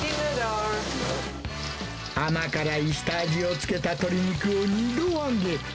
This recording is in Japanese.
甘辛い下味をつけた鶏肉を二度揚げ。